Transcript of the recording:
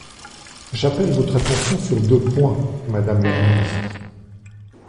J’appelle votre attention sur deux points, madame la ministre.